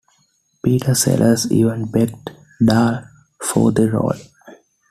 Peter Sellers even begged Dahl for the role.